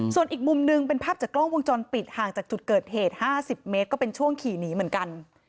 ส่วนอีกมุมหนึ่งเป็นภาพจากกล้องวงจรปิดห่างจากจุดเกิดเหตุ๕๐เมตรก็เป็นช่วงขี่หนีเหมือนกัน